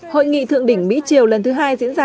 hội nghị thượng đỉnh mỹ triều lần thứ hai diễn ra